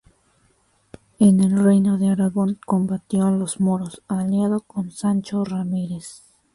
En el Reino de Aragón combatió a los Moros, aliado con Sancho Ramírez.